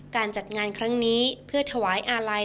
การจัดงานครั้งนี้เพื่อถวายอาลัย